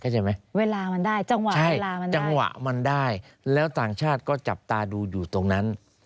ใช่จังหวะมันได้แล้วต่างชาติก็จับตาดูอยู่ตรงนั้น